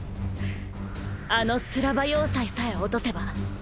あのスラバ要塞さえ陥とせば。